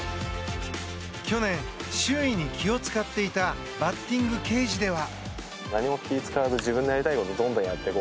去年、周囲に気を使っていたバッティングケージでは。